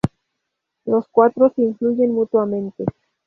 Las cuatro se influyen mutuamente.